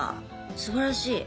すばらしい。